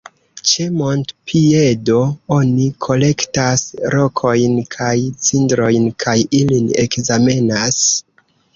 Ĉe montpiedo oni kolektas rokojn kaj cindrojn kaj ilin ekzamenas.